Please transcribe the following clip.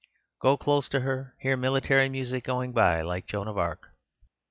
Go close to her—hear military music going by, like Joan of Arc."